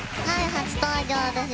初登場です。